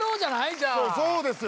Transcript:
じゃあそうですよ